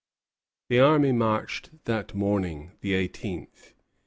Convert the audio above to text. The army marched that morning, the eighteenth.